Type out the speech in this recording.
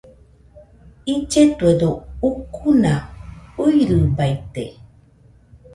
Illetuedo ucuna fɨirɨbaite.